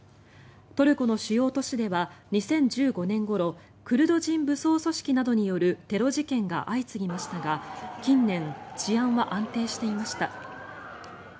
トルコの主要都市では２０１５年ごろクルド人武装組織などによるテロ事件が相次ぎましたが近年、治安は安定していました。